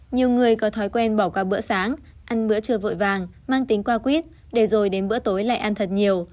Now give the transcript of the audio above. nhiều người có thói quen bỏ qua bữa sáng ăn bữa trưa vội vàng mang tính qua quýt để rồi đến bữa tối lại ăn thật nhiều